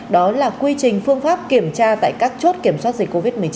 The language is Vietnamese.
đó là quy trình phương pháp kiểm tra tại các chốt kiểm soát dịch covid một mươi chín